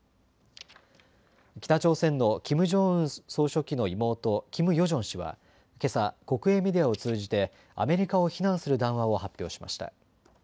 北朝鮮のキム・ジョンウン総書記の妹、キム・ヨジョン氏はけさ国営メディアを通じてアメリカを非難する談話を発表しました。